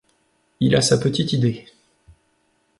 Il a sa petite idée.